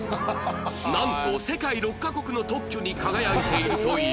なんと世界６カ国の特許に輝いているという